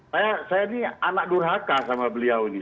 saya ini anak durhaka sama beliau ini